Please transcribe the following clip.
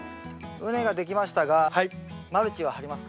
畝が出来ましたがマルチは張りますか？